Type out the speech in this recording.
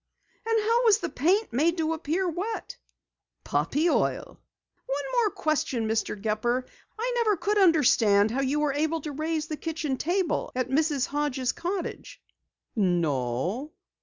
"And how was the paint made to appear wet?" "Poppy oil." "One more question, Mr. Gepper. I never could understand how you were able to raise the kitchen table at Mrs. Hodges' cottage." "No?"